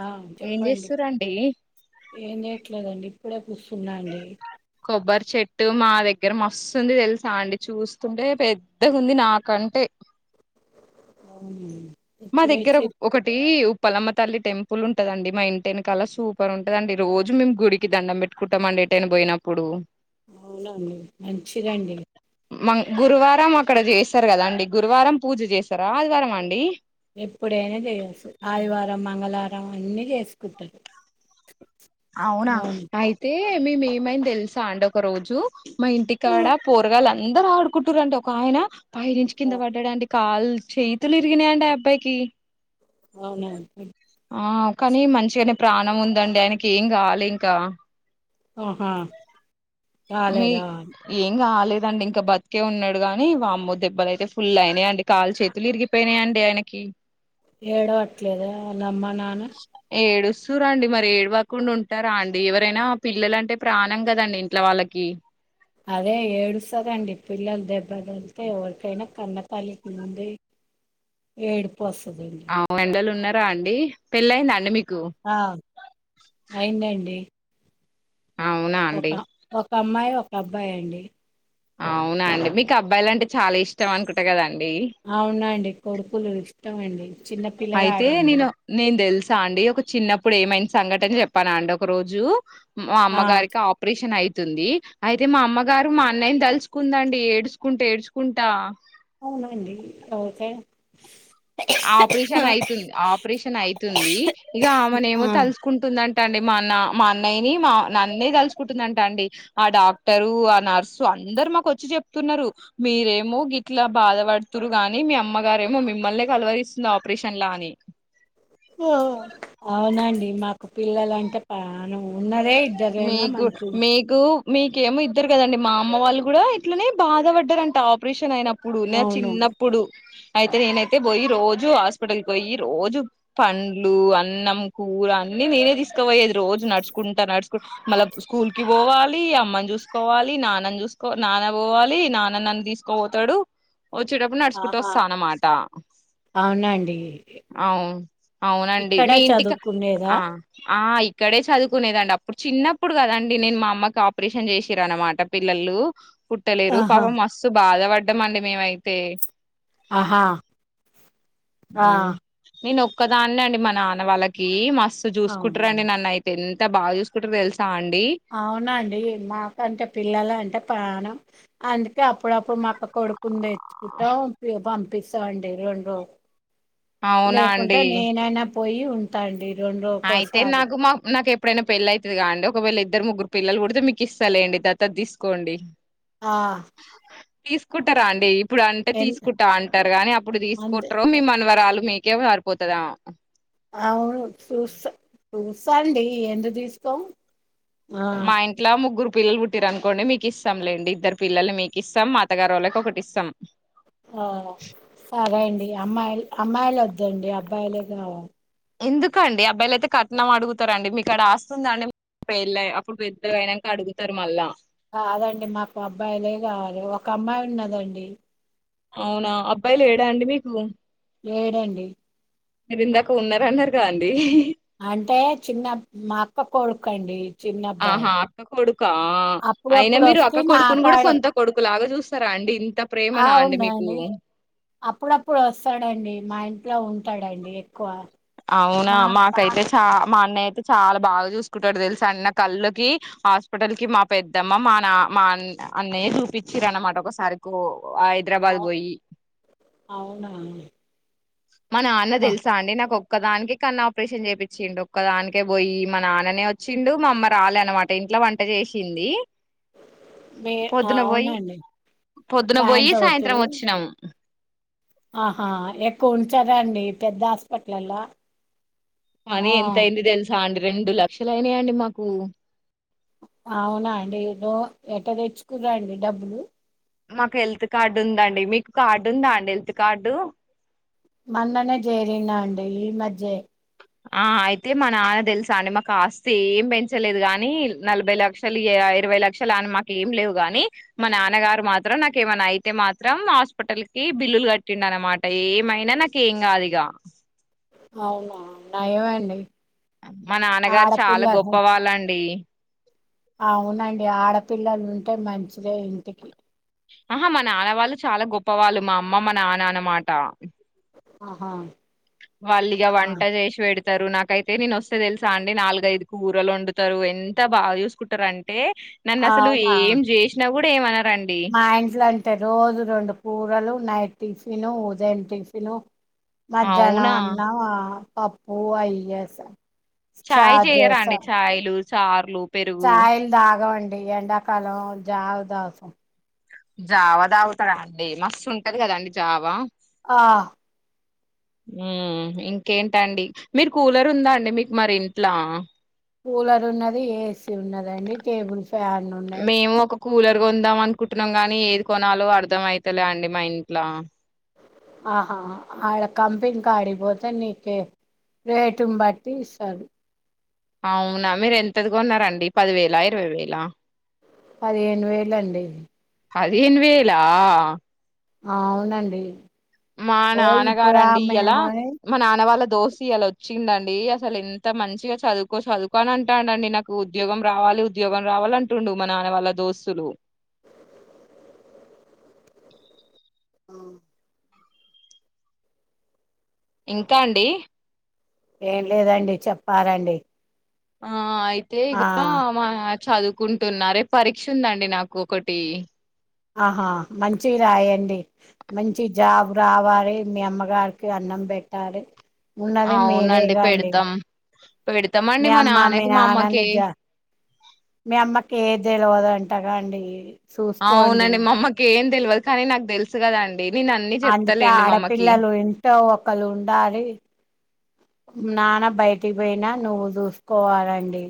ఆ ఏం చెప్పండి చేస్తురండి ఏం చేయట్లేదండి ఇప్పుడే కూస్తున్నా అండి కొబ్బరి చెట్టు మా దగ్గర మస్తుంది తెలుసా అండి చూస్తుంటే పెద్దగా ఉంది నాకంటే అవునా మా దగ్గర ఒకటి పలమ్మ తల్లి టెంపుల్ ఉంటదండి మా ఇంటి ఎన కళ సూపర్ ఉంటదండి రోజు మేము గుడికి దండం పెట్టుకుంటాం అండి ఏటైనా పోయినప్పుడు అవునా అండి మంచిదండి మ గురువారం అక్కడ చేస్తారు కదా అండి గురువారం పూజ చేస్తారా ఆదివారం అండి ఎప్పుడైనా చేయొచ్చు ఆదివారం మంగళవా మ అన్నీ చేసుకుంటారు అవునా అవును అయితే మే మేమైని తెలుసా అండి ఒక రోజు మా ఇంటికాడ పోరగాలం అందరు ఆడుకుంటుారంటే ఒక ఆయన పై నుంచి కింద పడ్డాండి కాలు చేతులు విరిగినాయండి ఆ అబ్బాయికి అవునవును ఆ కానీ మంచిగానే ప్రాణం ఉందండి ఆయనకి ఏం గాలే ఇంకా ఓహా మీ ఏంగా లేదండి ఇంకా బతికే ఉన్నడు గాని వామ్మో దెబ్బలు అయితే ఫుల్ అయినయండి కాళ్ చేతులు విరిగిపోయినాయండి ఆయనకి ఏడవాట్లేదా అ అమ్మా నాన్న సురండి మరి ఏడువకుండా ఉంటారా అండి ఎవరైనా పిల్లలంటే ప్రాణం కదండి ఇంట్లో వాళ్ళకి అదే ఏడుస్తదండి పిల్లలు దెబ్బ తళ్తే ఎవరికైనా కన్న తల్లికి ముంది ఏడు పస్తదండి దా అండి పెళ్ళయింద అండి మీకు ఆ అయిందండి అవునా ఒక అండి ఒక అమ్మాయి ఒక అబ్బాయి అండి అవునా అండి మీకు అబ్బాయిల అంటే చాలా ఇష్టం అనుకుంటా గదండి అవునండి కొడుకులు ఇష్టమండి అయితే నేను నేను తెలుసా అండి ఒక చిన్నప్పుడు ఏమై సంఘటన చెప్పాను అండి ఒక రోజు మా ఆ! అమ్మగారికి ఆపరేషన్ అయి తుంది అయితే మా అమ్మగారు మా అన్నయ్యని తలుచుకుందండి ఏడుసుకుంటే ఏడుసుకుంటా అవునండి అవకాయ్ ఆపరేషన్ ఐతుంది ఆపరేషన్ ఐతుంది ఇగ ఆ! ఆమనేమో తలుసుకుంటుందం టండి మాన్న మా అన్నయ్యని మా నన్నే కలుసుకుంటుందంట అండి ఆ డాక్టరు ఆ నర్సు అందరు మాకు వచ్చి చెప్తున్నారు మీరేమో గిట్లా బాధపడుతురు కానీ మీ అమ్మగారేమో మిమ్మల్నే కలవరిస్తుంది ఆపరేషన్ లా అని ఓ అవునండి మా పిల్లలు అంటే పా మనం ఉన్నదే ఇద్దరైనా మీకు మన తు మీకు మీకేమో ఇద్దరు కదండి మా అమ్మ వాళ్ళు కూడా ఇట్లనే బాధపడ్డారంట ఆపరేషన్ అయినప్ ప్పుడు నా అవును. చిన్నప్పుడు అయితే నేనైతే బోయి రోజు హాస్పిటల్కి బోయి రోజు పండ్లు అన్నం కూర అన్నీ నేనే తీసుకుపోయేది రోజు నడుచు కుంటానడుసు మళ్ళా స్కూల్ కి ఒవాలి అమ్మని జూసుకోవాలి నాన్నని జూసుకో నాన్న పోవాలి నాన్న నన్ను తీసుకోఒతడు వచ్చేటప్పుడు నడుచుకుంటూ ఆహా! వస్తానన్నమాట అవునండి. అవు అవునండి ఇక్కడ మీ ఇంటికి చదువుకునేదా? ఆ ఆ కడే చదు కునేదండి అప్పుడు చిన్నప్పుడు కదండి నేను మా అమ్మకి ఆపరేషన్ చేసిర అన్నమాట పిల్లలు పుట్టలేరు ఆహా! పాప మస్తు బాధ వడ్ ఇద్దమండి మేమైతే ఆహా ఆ ఒకదాన్న అండి మా నాన్న వాళ్ళకి మ స్ అవును. చూసుకుంటారంండి నన్ను అయితే ఇ బాగా చూకుంటారు తెలుసాండి అవునండి మాకంటే పిలు అంటే పానం అందుకే అప్పుడప్పుడు మాక్క కొడుకుంది అయి కుట్టా ప బా పిసా అంటేరుండ అవునా అండి పోయి ఉంటాండి రెండు అయితే రోజుకోసారి నాకు మా నాకు ఎప్పుడైనా పెళ్లిి అవుతుది కాదండి ఒకవేళ ఇద్దరు ముగ్గురు పిల్లలు కూడాడితే మీకు ఇస్తాండి తత తీసుకోండి ఆ తీసుకుంటారా అండి ఇప్పుడు అంటే ఎన్ తీసుకుంటా అంటారు కానీ అప్పుడు అంతే తీసుకుంటారు మేమ అనవరాలు మీకేవ సారుపోతదా అవును సూ స ఇస్తాారండి ఎందు తీసుకోం ఆ మా ఇంట్లో ముగ్గురు పిల్లలు పుట్టిరు అనుకోండి మీకు ఇస్తాంలేండి ఇద్దరు పిల్లలు మీకు ఇస్తాం మాతగారు వాళ్ళకి ఒకటి ఇస్తాం ఆ అదే అండి అమ్మాయి అమ్మాయిలు వద్దండి అబ్బాయిలే కా ఎందుకండి అబ్బాయిలు అయితే కట్నం అడుగుతారంండి మీకు అడ ఆస్తుంద అండి పెళ అప్పుడు పెద్దలు అయినాక అడుగుతారు మళ్ళా కాదండి మాకు అబ్బాయిలే కావాలి ఒక అమ్మాయి ఉన్నదండి అవునా అబ్బాయిలు ఏడా అండి మీకు లేడంండి మీరు ఇందాక ఉన్నారన్నారు కా అండి అంటే చిన్న మా అక్క కొడుకు అండి ఆహా అక్క కొడు కా అయినా అప్పుడప్పుడు మీరు వస్తే అక్క నా కొడుకుని కూడా కాడ సొంత కొడుకు లాగా చూస్తారా అండి ఇంత ప్రేమనా అండి మీకు అవునండి అప్పుడప్పుడు వస్తాడండి మా ఇంట్లో ఉంటాడంండి ఎక్కువ అవునా మా మాకైతే చ మా అన్నయ్య అయితే చాలా బాగా చూసుకుంటాడు తెలుసు అన్న కళ్ుకి హాస్పిటల్ కి మా పెద్దమ్మ మా నా మా అన్నయ్య చూపించర అనమాట ఒకసారి కో హైదరాబాద్ అవ్ పోయి అవునా మా నాన్న తెలుసా అండి నాకొక్ ఒక్కదానికే కన్నాపరేషన్ చేపించిండు ఒక్కదానికే పోయి మా నాన్ననే వచ్చిండు. మా అమ్మ రాలే అనమాట ఇంట్లో వంట చేసింది మీ పొద్దున పోయి, అవునండి పొద్దున పోయి సాయంత్రం వచ్చినాము. ఆహా ఎక్కువ ఉంచారా అండి పెద్ద హాస్పిటల్ లల్లో మనీ ఎంతయింది తెలుసా అండి రెండు లక్షలు అయినయండి మాకు అవునా అండి ఏదో ఎట్ట తెచ్చుకురాండి డబ్బులు మాకు హెల్త్ కార్డు ఉందండి. మీకు కార్డు ఉందా అండి హెల్త్ కార్డు మొన్ననే జేరినా అండి ఈ మధ్యే ఆ అయితే మా నాన్న తెలుసా అండి మాకు ఆస్తి ఏం పెంచలేదు గాని నలభై లక్షలు ఇరవై లక్షలు అని మాక ఏం లేవు గాని మా నాన్నగారు మాత్రం నాకేమైనా అయితే మాత్రం హాస్పిటల్ కి బిల్లులు కట్టిండన్నమాట ఏమైనా నాకేం కాదు ఇగా అవునా నయమండి మా నాన్నగారు చాలా గొప్ప ఆడపిల్లలు వాళ్ళండి. అవునండి ఆడపిల్లలు ఉంటే మంచిదే ఇంటికి ఆహా మా నాన్న వాళ్ళు చాలా గొప్పవాళ్ళు, మా అమ్మ మా నాన్న అన్నమాట. ఆహా వాళ్ళిగా ఆ, వంట చేసిపెడ్ తరు నాకైతే నేను వస్తే తెలుసా అండి నాలుగైదు కూరలు ఓండుతారు ఎంత బాగా చూసుకుంటారొ ఆన్ టే నన్ను అసలు అవునా ఏం చేసినా కూడా ఏమనార్ మా ఇంట్లో అంతే రోజు రెండు కూరలు నైట్ టిఫిను ఉదయం టిఫిను మధ్యాహ్నం అవునా అన్నం ఆ పప్పు అయ్యసా ఛాయ్ చెయరా అండి చాయ్ లు చార్లు పెరుగు ఛాయ్ లు తగమ ఈ ఎండాకాలం జావ్ తగుతాం జావా తగుతారా అండి మస్తు ఉంటది కదండి జావా ఆ మ్మ్ ఇంకేంటండి మీకు కూలర్ ఉందా అండి మీకు మరి ఇంట్లా కూలర్ ఉన్నది, ఏసీ ఉన్నదండి, టేబుల్ ఫ్యా ఫ్యాన్లు ఉన్నాయి మేము ఒక కూలర్ కొందాం అనుకుంటున్నాం గానీ ఏది కొనాలో అర్ధం అయితలే అండి మా ఇంట్లా ఆహా ఆడ కంపెనీ కాడికి పోతే నీకు రేటును బట్టి ఇస్తారు. మీరు ఎంతది కొన్నరండి పదివేలా ఇరవై వేలా పదిహేను వేలండి పదిహేను వేలా అవునండి మా పోయి ఇప్పుడు నాన్నగారండి ఆమె ఇయల ఏమోని మా నాన్న వాళ్ళ దోస్తు ఇయలా వచ్చిండండి ఏ అసలు ఎంత మంచిగా చదువుకో చదువుకో అని అంటండి నాకు ఉద్యోగం రావాలి ఉద్యోగం రావాల అంటుండు మా నాన్న వాళ్ళ దోస్తులు ఆ ఇంకా అండి ఏం లేదండి చెప్పాలండి ఆ అయి లే ఈంగా మ [unintelligible] పరీక్ష ఉందండి నాకు ఒకటి ఆహా మంచిగా రాయండి మంచిగా జాబ్ రావాలి మీ అమ్మగారికి అన్నం పెట్టాలే అవునండి పెడతాం మీ పెడతామండి మా అమ్మ మీ నాన్నకి మా నాన్న నీ అమ్మకి జ మీ అమ్మకీ ఏది తెలవద ఎంతక అండి చూసుకోండి అవునండి అమ్మకి ఏం తెల్వదుకానీ నాకు తెలుసు కదండ్ అందుకే ఆడపిల్లలు ఎంతో ఒక్కలు ఉండాలి నాన్న బయటికి పోయినా నువ్వు చూసుకోవాలండి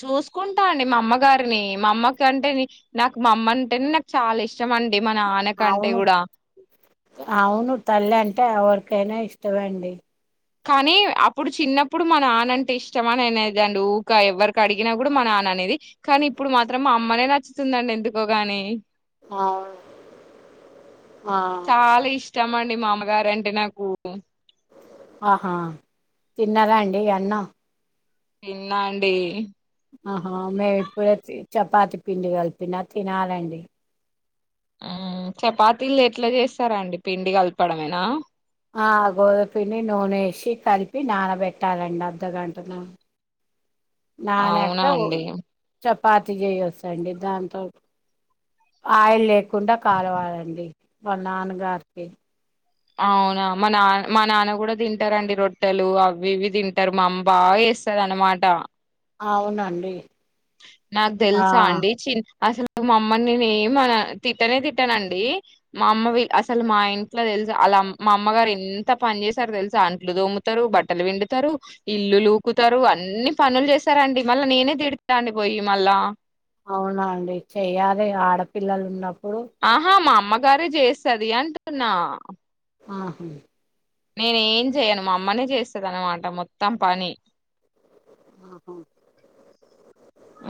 చూసుకుంటా అండి మా అమ్మగారిని మా అమ్మకంటే నాకు మా అమ్మ అంటేనే నాకు చాలా ఇష్టం అండి మా నాన్న కంటే అవును కూడా అవును తల్లి అంటే ఎవర్ కైనా ఇష్టమే అండి కానీ అప్పుడు చిన్నప్పుడు మన నాన అంటే ఇష్టమ అని అనేదండి ఊకా ఎవరికి అడిగినా కూడా మన నాన్న అనేది కానీ ఇప్పుడు మాత్రం మా అమ్మనే నచ్చుతుందండి ఎందుకోగాని అవును ఆ చాలా ఇష్ ఇష్టంమండి మా అమ్మగారు అంటే నాకు ఆహా తిన్నారా అండి అన్నం తిన్న అండి ఆహా మేము ఇప్పుడే చపాతి పిండి కలిపిన తినాలండి చపాతీలు ఎట్లా చేస్తారాండి పిండి కలపడమేనా ఆ గోధుమ పిండి నూనె వేసి కలిపి నానబెట్టాలండి అర్ధగంట నానాక అవునా ఓ అండి చెప్ చపాతి చేయొచ్చండి దాంతో ఆయిల్ లేకుండా కాలవాలండి వాళ నాన్నగారికి అవునా మా నా మా నాన్న కూడా తింటారండి రొట్టెలు అవి ఇవి తింటారు మా అమ్మబాగా చేస్తది అన్నమాట అవున అండి నాకు తెలుసా అండి చి అసలు మా అమ్మని నేను తిట్టనే తిట్టానండి మా అమ్మ అసలు మా ఇంట్లో తెలుస అలా మా అమ్మగారు ఎంత పని చేసారుతెలుస అంట్లు దోముతారు బట్టలు పిండుతారు ఇల్లులు ఊకుతారు అన్ని పనులు చేస్తారండి మళ్ళీ నేనే తీడు తాండి పోయి మల్ల అవున అండి చెయ్యాలే ఆడపిల్లలు ఉన్నప్పుడు ఆహా మా అమ్ అమ్మగారే చేస్తది అంటున్నా ఆహా నేను ఏం చెయ్యను మా అమ్మనే చేస్తది అన్నమాట మొత్తం పని ఆహా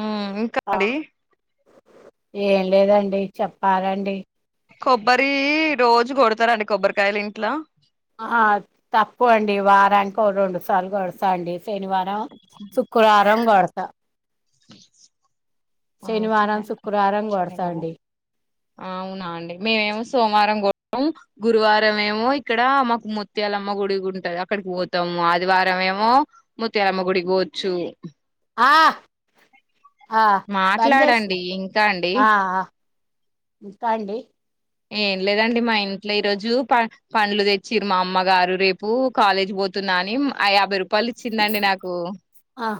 ఉ ఇంకా అండి ఏం లేదండి చెప్పాలండి కొబ్బరి రోజు కొడతారండి కొబ్బరికాయలు ఇంట్ల ఆ తప్పు అండి వారానికి ఓ రెండు సార్లు కోడుతా శనివారం శుక్రవారం రం కొడుతా [inaudible] ఆ చిన్న శుక్రవారం చిన్నగాబ కొడతాండి అవునా అండి మేమేమో సోమవారం కో ఉ గురువారం ఏమో ఇక్కడ మాకు ముత్యాలమ్మ గుడికి ఉంటది అక్కడికి పోతాము ఆదివారం ఏమో ముత్యాలమ్మ గుడికి పోవచ్చు ఆ ఆ బంద్ చేసిన మాట్లాడండి ఇంకా అండి ఆ ఆ ఇంకా అండి ఏం లేదండి మా ఇంట్లో ఈ రోజు పండ్లు తెచ్చిర్రు మా అమ్మగారు రేపు కాలేజీ పోతున్నాఅని యాభై రూపా పలిచ్చిందండి నాకు ఆ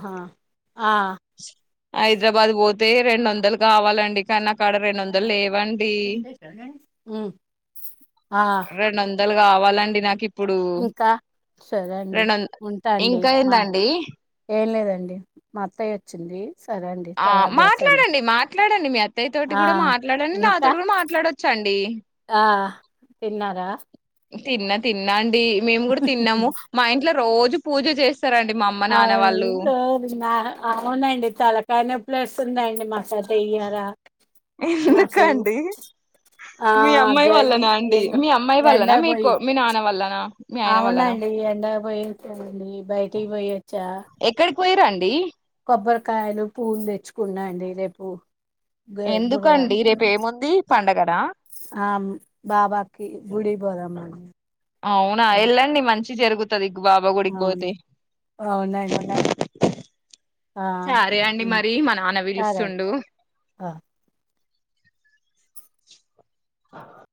హైదరాబాద్ పో తే రెండు వందలు కావాలండి కానీ కాడ రెండు వందలు లేవండి ఉమ్ ఆ రెండు వందలు కావాలండి నాకు ఇప్పుడు ఇంకా సరే అండి రెండు వంద ఉంటా అండి ఇంకా మా ఏందండి ఏం లేదండి మా అత్తయ్య వచ్చింది సరే అండి ఆ తర్వాత చేస్తా అండి మాట్లాడండి మాట్ మాట్లాడండి మీ అత్త అత్తయా తోటి ఆ కూడా మాట్లాడండి ఇంకా నాతోటి కూడా మాట్లాడోచ్చండి ఆ తిన్నారా తిన్న తిన్నా అ డి మేము కూడా తిన్నాము మా ఇంట్లో రోజు పూజ చేస్త అవునా అవునండి తలకాయా నొప్పి లేస్తుంది అండి మాకు అయితే ఇయ్యాల ఎందుకు అండి ఆ మీ అమ్మాయి జగన్ వల్లనా అండి ఏదో మీ అమ్మాయి వల్లనా ఎండకు పోయి మీకు మీ నాన్న వల్లనా మీ ఆయన వల్లనా అవునండి ఎండగా పోయోచాండి బయటికి పోయొచ్చా పోయిరాండి కొబ్బరికాయలు పూలు తెచ్చుకున్నాండి రేపు గు గురువారం ఎందుకండి రేపు ఏముంది పండగ నా ఆమ్ బాబా గుడికి పోదాం అవునా మనము వెళ్ళండి మంచి జరుగుతది బాబా గుడికి పోతే అవునండి ఆ సరే అండి మరి మా నాన్న సరే అండి. పిలుస్తుండు ఆ డోర్ సౌండ్